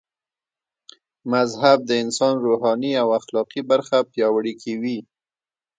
مذهب د انسان روحاني او اخلاقي برخه پياوړي کوي